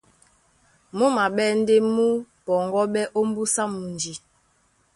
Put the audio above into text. Mú maɓɛ́ ndé mú pɔŋgɔ́ɓɛ́ ómbúsá mundi.